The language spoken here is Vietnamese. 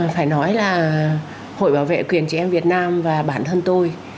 phải nói là hội bảo vệ quyền trẻ em việt nam và bản thân tôi